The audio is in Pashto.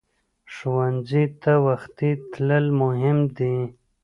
ښوونځی ته وختي تلل مهم دي